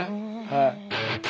はい。